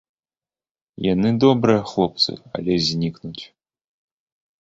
Яны добрыя хлопцы, але знікнуць.